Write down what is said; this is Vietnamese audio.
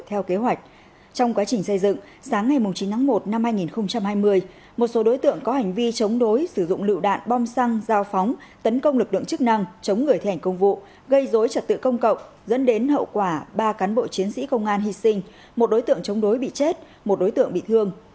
theo kế hoạch trong quá trình xây dựng sáng ngày chín tháng một năm hai nghìn hai mươi một số đối tượng có hành vi chống đối sử dụng lựu đạn bom xăng giao phóng tấn công lực lượng chức năng chống người thi hành công vụ gây dối trật tự công cộng dẫn đến hậu quả ba cán bộ chiến sĩ công an hy sinh một đối tượng chống đối bị chết một đối tượng bị thương